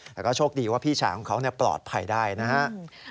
แต่ก็โชคดีว่าพี่ชายของเขาปลอดภัยได้นะครับ